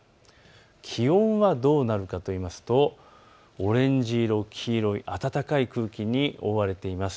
気温はどうなるかといいますとオレンジ色、黄色、暖かい空気に覆われています。